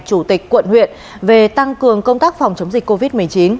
chủ tịch quận huyện về tăng cường công tác phòng chống dịch covid một mươi chín